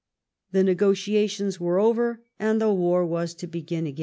The negotiations were over, and the war was to begin again.